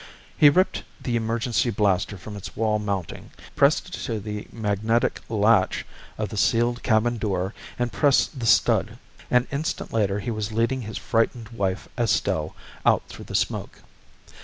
He ripped the emergency blaster from its wall mounting, pressed it to the magnetic latch of the sealed cabin door and pressed the stud. An instant later he was leading his frightened wife, Estelle, out through the smoke.